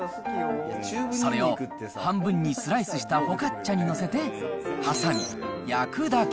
それを半分にスライスしたフォカッチャに載せて挟み、焼くだけ。